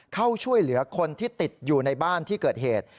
เข้าช่วยเหลือคนที่ติดอยู่ในบ้านที่เกิดเหตุ